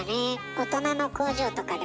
大人の工場とかでもさ